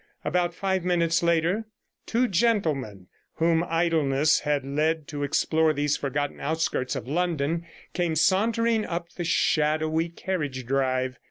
About five minutes later two gentlemen, whom idleness had led to explore these forgotten outskirts of London, came sauntering up the shadowy carriage drive.